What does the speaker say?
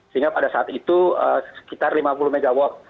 sehingga pada saat itu sekitar lima puluh mw